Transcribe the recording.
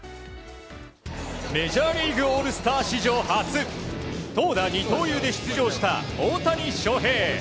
メジャーリーグオールスター史上初投打二刀流で出場した大谷翔平。